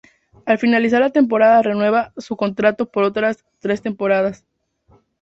Al finalizar la temporada renueva su contrato por otras tres temporadas.